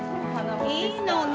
いいのに。